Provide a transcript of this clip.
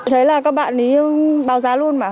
thấy là các bạn thì bao giá luôn mà một mươi